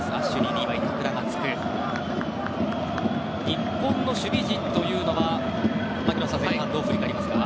日本の守備陣というのは槙野さん前半、どう振り返りますか？